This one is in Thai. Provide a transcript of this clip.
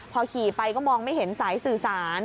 พอขี่ไปก็มองไม่เห็นสายสื่อสาร